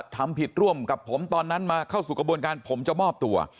ทำผิดร่วมกับผมตอนนั้นมาเข้าสู่กระบวนการผมจะมอบตัว